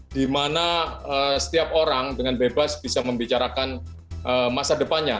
dimana setiap orang dengan bebas bisa membicarakan masa depannya